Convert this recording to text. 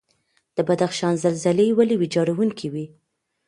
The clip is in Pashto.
د بدخشان زلزلې ولې ویجاړونکې وي؟